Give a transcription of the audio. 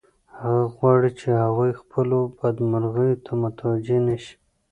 هغه غواړي چې هغوی خپلو بدمرغیو ته متوجه نشي